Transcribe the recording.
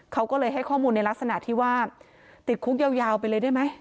เขาก็เลยให้ข้อมูลในลักษณะที่ว่าติดคุกยาวไปเลยได้ไหม